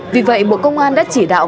vì vậy bộ công an đã chỉ đạo